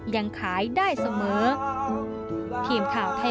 ยังขายได้เสมอ